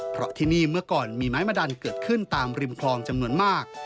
เพราะที่นี่เมื่อก่อนมีไม้มาดันเกิดขึ้นตามริมคลองจำนวนมาก